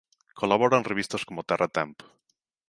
Colabora en revistas como "Terra e Tempo".